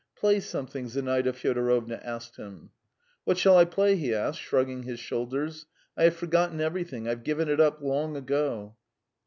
"Play something," Zinaida Fyodorovna asked him. "What shall I play?" he asked, shrugging his shoulders. "I have forgotten everything. I've given it up long ago."